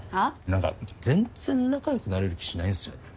何か全然仲良くなれる気しないんすよね。